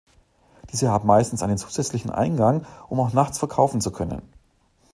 Diese haben meistens einen zusätzlichen Eingang, um auch nachts verkaufen zu können.